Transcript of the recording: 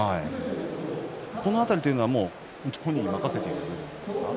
この辺り本人に任せているんですか？